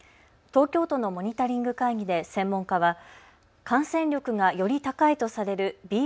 東京都のモニタリング会議で専門家は感染力がより高いとされるＢＡ．